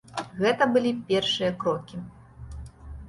Гэта былі першыя крокі.